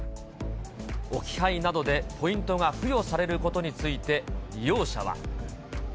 置き配などでポイントが付与されることについて、利用者は。